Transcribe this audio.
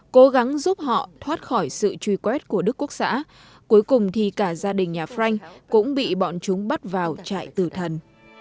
cố gắng giúp họ thoát khỏi sự truy quét của đức quốc xã cuối cùng thì cả gia đình nhà frank cũng bị bọn chúng bắt vào chạy tử thần